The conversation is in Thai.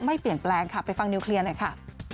ไม่เปลี่ยนแปลงค่ะไปฟังนิวเคลียร์หน่อยค่ะ